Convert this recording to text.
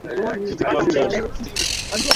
Emmanuel ni mrefu